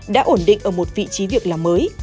đã ổn định ở một vị trí việc làm mới